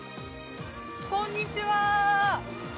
こんにちは。